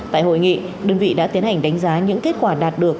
tại hội nghị đơn vị đã tiến hành đánh giá những kết quả đạt được